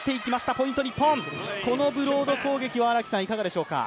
このブロード攻撃はいかがでしょうか？